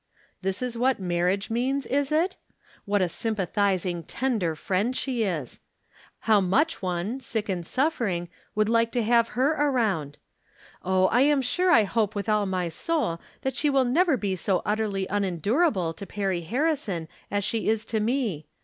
This is what marriage means, is it ? What a sympathizing, tender friend she is ! How much one, sick and suffering, would like to have her around ! Oh, I am sure I hope with all my soul that she will never be so utterly unendurable to Perry Harrison as she is to me.